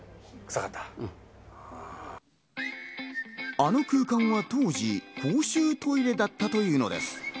あの空間は当時、公衆トイレだったというのです。